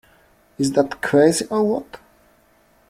Is that crazy or what?